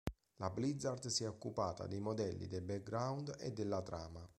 La Blizzard si è occupata dei modelli, del background e della trama.